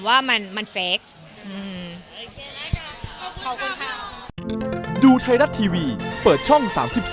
ไอรัตทีวีเปิดช่อง๓๒